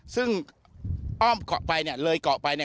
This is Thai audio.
ซึ่งอ้อมกะปลายเลยกะปลายนี่